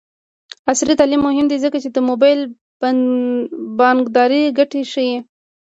عصري تعلیم مهم دی ځکه چې د موبايل بانکدارۍ ګټې ښيي.